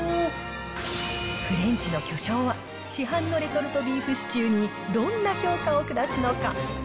フレンチの巨匠は、市販のレトルトビーフシチューにどんな評価を下すのか。